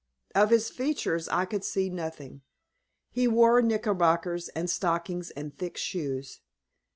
Of his features I could see nothing. He wore knickerbockers, and stockings, and thick shoes.